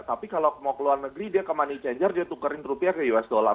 tapi kalau mau keluar negeri dia ke money changer dia tukerin rupiah ke us dollar